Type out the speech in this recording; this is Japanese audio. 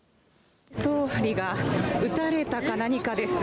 総理が撃たれたか、何かです。